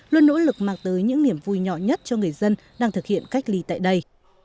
luôn nỗ lực mang tới những niềm vui nhỏ nhất cho người dân đang thực hiện cách ly tại đây